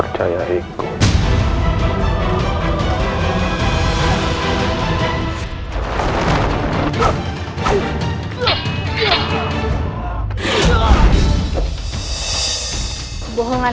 lihat kitab kerabat trained